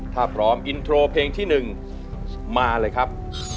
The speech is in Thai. ถ้าพร้อมอินโทรเพลงที่๑มาเลยครับ